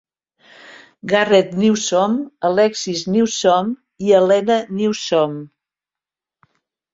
Garrett Newsome, Alexis Newsome, i Alena Newsome.